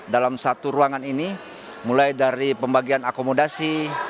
dalam satu ruangan ini mulai dari pembagian akomodasi